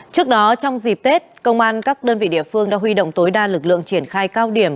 trước đó trong dịp tết công an các đơn vị địa phương đã huy động tối đa lực lượng triển khai cao điểm